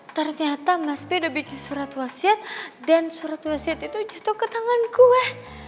ternyata mas pedo bikin surat wasiat dan surat wasiat itu justru ke tangan gue